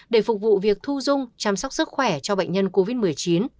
để phục vụ việc thu dung chăm sóc sức khỏe cho bệnh nhân covid một mươi chín